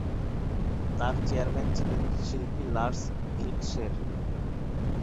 তার চেয়ারম্যান ছিলেন শিল্পী লার্স ভিল্কসের।